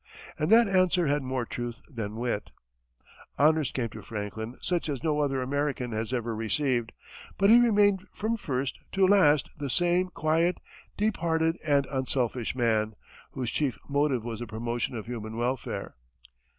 And that answer had more truth than wit. Honors came to Franklin such as no other American has ever received, but he remained from first to last the same quiet, deep hearted, and unselfish man, whose chief motive was the promotion of human welfare.